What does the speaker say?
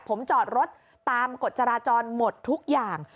ผมจอดรถตามกฎจราจรหมดทุกอย่าง